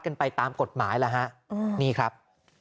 กันไปตามกฎหมายแล้วฮะนี่ครับ